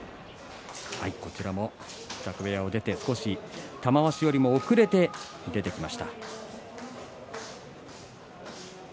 こちらも支度部屋を出て少し玉鷲よりも遅れて出てきました。